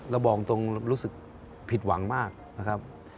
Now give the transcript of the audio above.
บอกตรงรู้สึกผิดหวังมากนะครับ